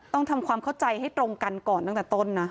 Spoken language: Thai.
ต้องทำความเข้าใจให้ตรงกันก่อนตั้งแต่ต้นนะ